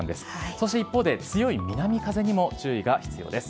そして一方で、強い南風にも注意が必要です。